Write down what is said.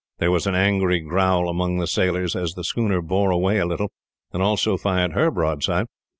There was an angry growl among the sailors, as the schooner bore away a little, and also fired her broadside.